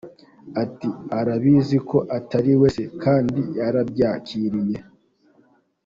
Ati “Arabizi ko atari we se, kandi yarabyakiriye.